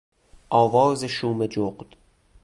آواز شوم جغد